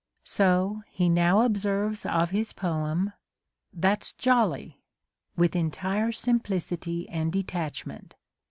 So he now observes of his poem, "That's jolly!" with entire simplicity and detachment.